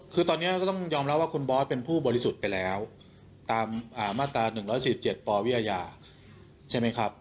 คือตอนนี้ก็ต้องยอมรับว่าครูบอสเป็นผู้บริสุทธิ์ไปแล้วตามอ่ามาตราหนึ่งร้อยสิบเจ็ดปวิยยใช่มั้ยครับ